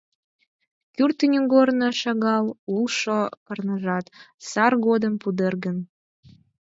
Кӱртньыгорно шагал, улшо корныжат сар годым пудырген.